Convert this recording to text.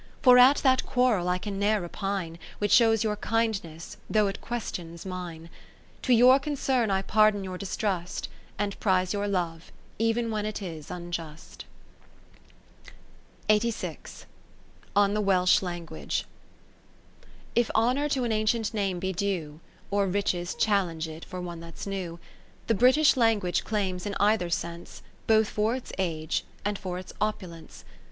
For at that quarrel I can ne'er repine, Which shows your kindness, though it questions mine. To your concern I pardon your dis trust, And prize your love, ev'n when it is unjust. On the Welsh Language If Honour to an ancient name be due, Or Riches challenge it for one that's new, The British language claims in either sense, Both for its age, and for its opulence.